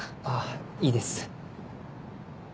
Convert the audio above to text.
あいいです。